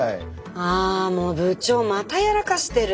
あもう部長またやらかしてる。